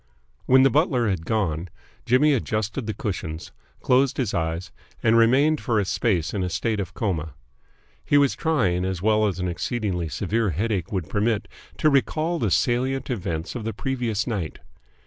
When the butler had gone, Jimmy adjusted the cushions, closed his eyes, and remained for a space in a state of coma. He was trying, as well as an exceedingly severe headache would permit, to recall the salient events of the previous night.